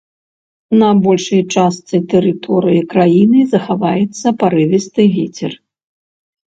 На большай частцы тэрыторыі краіны захаваецца парывісты вецер.